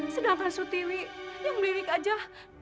sedangkan sutiwi yang melirik ayahnya